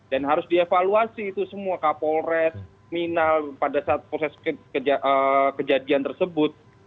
harus dievaluasi itu semua kapolres minal pada saat proses kejadian tersebut